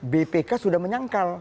bpk sudah menyangkal